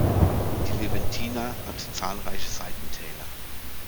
Die Leventina hat zahlreiche Seitentäler.